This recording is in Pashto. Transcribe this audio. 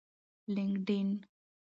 لینکډین